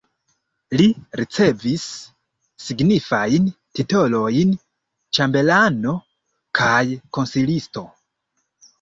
Li ricevis signifajn titolojn ĉambelano kaj konsilisto.